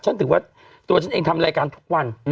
ถือว่าตัวฉันเองทำรายการทุกวัน